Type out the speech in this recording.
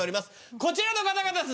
こちらの方々です